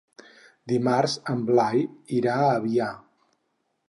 Dimarts en Blai irà a Avià.